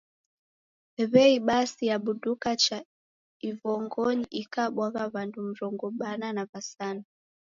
W'ei basi yabuduka cha ivongonyi ikabwagha w'andu mrongo bana na w'asanu.